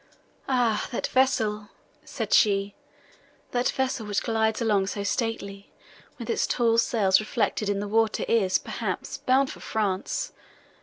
"Ah! that vessel," said she, "that vessel, which glides along so stately, with its tall sails reflected in the water is, perhaps, bound for France!